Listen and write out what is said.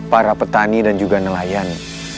para petani dan juga nelayan